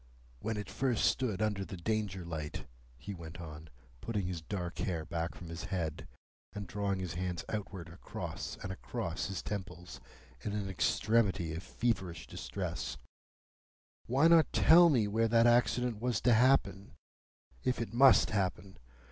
"When it first stood under the Danger light," he went on, putting his dark hair back from his head, and drawing his hands outward across and across his temples in an extremity of feverish distress, "why not tell me where that accident was to happen,—if it must happen?